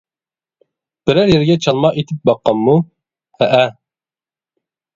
-بىرەر يەرگە چالما ئېتىپ باققانمۇ؟ -ھەئە.